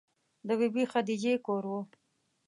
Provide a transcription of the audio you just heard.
د بې بي خدیجې کور و.